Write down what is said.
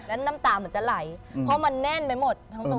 แล้วน้ำตาเหมือนจะไหลเพราะมันแน่นไปหมดทั้งตัว